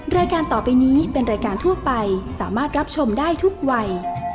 รายการต่อไปนี้เป็นรายการทั่วไปสามารถรับชมได้ทุกวัย